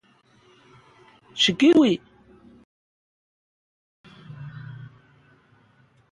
Xikilui ken otlanki Antonio.